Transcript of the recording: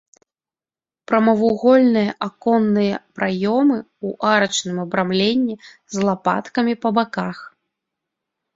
Прамавугольныя аконныя праёмы ў арачным абрамленні з лапаткамі па баках.